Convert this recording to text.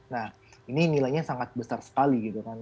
nah ini nilainya sangat besar sekali gitu kan